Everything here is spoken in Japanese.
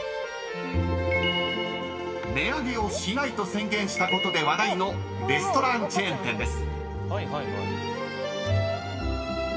［値上げをしないと宣言したことで話題のレストランチェーン店です］